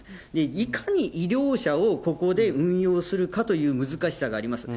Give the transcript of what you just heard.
いかに医療者をここで運用するかという難しさがあります。